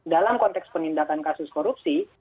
dalam konteks penindakan kasus korupsi